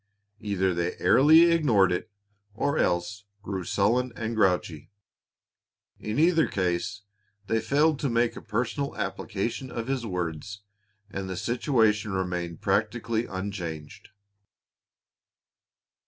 Either they airily ignored it, or else grew sullen and grouchy. In either case they failed to make a personal application of his words, and the situation remained practically unchanged.